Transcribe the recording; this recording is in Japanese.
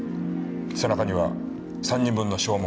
背中には３人分の掌紋